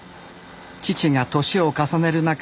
父が年を重ねる中